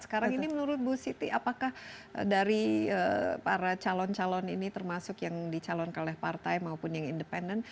sekarang ini menurut bu siti apakah dari para calon calon ini termasuk yang dicalonkan oleh partai maupun yang independen